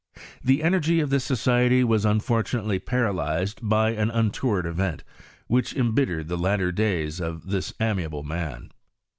The energy of this society was unfortunately paralyzed by an nntoward event, which imbittered the latter days of this amiable man.